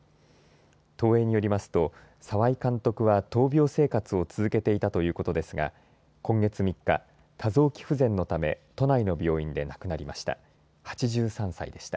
東映によりますと澤井監督は闘病生活を続けていたということですが今月３日、多臓器不全のため、都内の病院で亡くなりました。